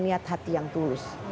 niat hati yang tulus